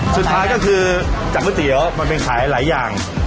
สุดท้ายก็คือจากก๋วยเตี๋ยวมันเป็นขายหลายอย่าง